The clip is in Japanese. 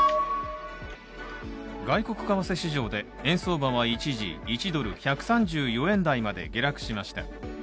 外国為替市場で円相場は一時１ドル＝１３４円台まで下落しました。